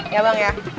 ya bang ya